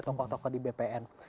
tokoh tokoh di bpn